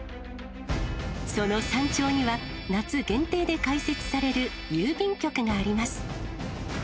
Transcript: その山頂には、夏限定で開設される郵便局があります。